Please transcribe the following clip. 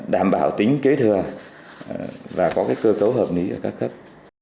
đảm bảo tính kế thừa và có cơ cấu hợp lý ở các cấp